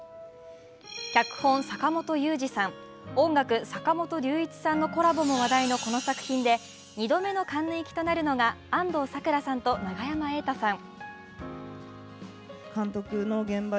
脚本・坂元裕二さん、音楽・坂本龍一さんのコラボも話題のこの作品で２度目のカンヌ行きとなるのが安藤サクラさんと永山瑛太さん。